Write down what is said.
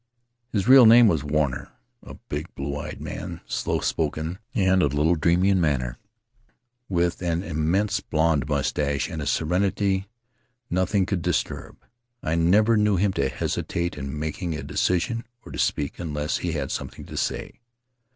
"His real name was Warner — a big, blue eyed man, slow spoken and a little dreamy in manner, with an immense blond mustache and a serenity nothing could disturb. I never knew him to hesitate in making a decision or to speak unless he had something to say.